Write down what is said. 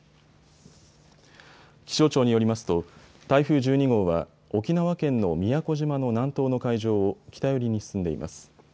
気象庁によりますと台風１２号は沖縄県の宮古島の南東の海上を北寄りに進んでいます。